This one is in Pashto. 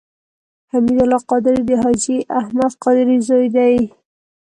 حمید الله قادري د حاجي احمد قادري زوی دی.